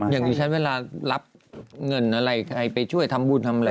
อย่างนี้ฉันเวลารับเงินอะไรใครไปช่วยทำบุญทำอะไร